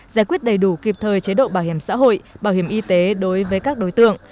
giải quyết đầy đủ kịp thời chế độ bảo hiểm xã hội bảo hiểm y tế đối với các đối tượng